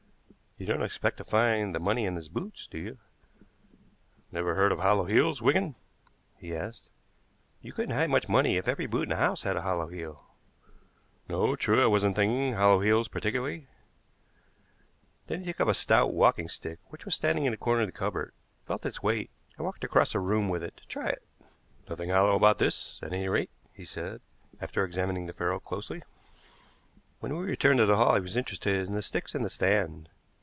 "You don't expect to find the money in his boots, do you?" "Never heard of hollow heels, Wigan?" he asked. "You couldn't hide much money if every boot in the house had a hollow heel." "No, true. I wasn't thinking of hollow heels particularly." Then he took up a stout walking stick which was standing in the corner of the cupboard, felt its weight, and walked across the room with it to try it. "Nothing hollow about this, at any rate," he said, after examining the ferrule closely. When we returned to the hall he was interested in the sticks in the stand.